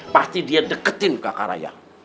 pasti dia deketin kakak raya